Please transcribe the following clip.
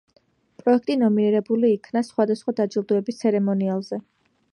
პროექტი ნომინირებული იქნა სხვადასხვა დაჯილდოების ცერემონიალზე.